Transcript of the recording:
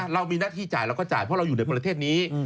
เรามีหน้าที่จ่ายเราก็จ่ายเพราะเราอยู่ในประเทศนี้